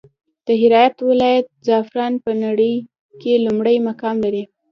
د هرات ولايت زعفران په نړى کې لومړى مقام لري.